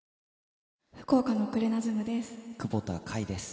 福岡のクレナズムです。